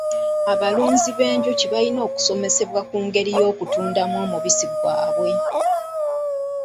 Abalunzi b'enjuki balina okusomesebwa ku ngeri y'okutundamu omubisi gwabwe.